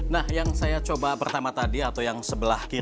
nah yang saya coba pertama tadi atau yang sebelah kiri